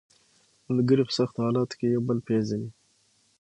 ملګري په سختو حالاتو کې یو بل پېژني